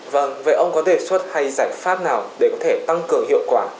vâng vậy ông có đề xuất hay giải pháp nào để có thể tăng cường hiệu quả